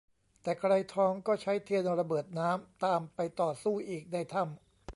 แต่ไกรทองก็ใช้เทียนระเบิดน้ำตามไปต่อสู้อีกในถ้ำ